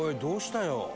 どうしたよ？